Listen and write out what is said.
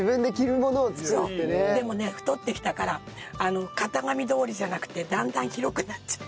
でもね太ってきたから型紙どおりじゃなくてだんだん広くなっちゃう。